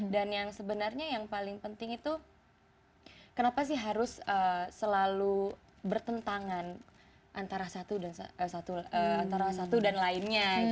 dan yang sebenarnya yang paling penting itu kenapa sih harus selalu bertentangan antara satu dan lainnya